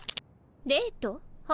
デート？は？